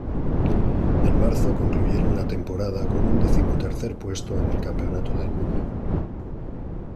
En marzo, concluyeron la temporada con un decimotercer puesto en el Campeonato del mundo.